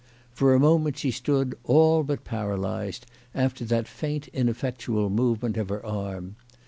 For a moment she stood' all but paralyzed after that faint ineffectual movement of her arm.